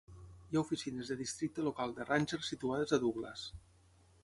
Hi ha oficines de districte local de ranger situades a Douglas.